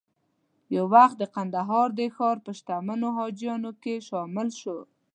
یو وخت د کندهار د ښار په شتمنو حاجیانو کې شامل شو.